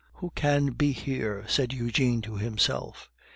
"Who can be here?" said Eugene to himself.